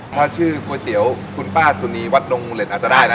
ถ้าชื่อก๋วยเตี๋ยวคุณป้าสุนีวัดดงมูลเห็ดอาจจะได้นะ